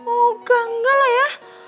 oh gak gak lah ya